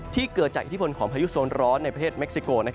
เกิดจากอิทธิพลของพายุโซนร้อนในประเทศเม็กซิโก